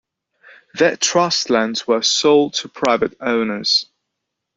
Their trust lands were sold to private owners.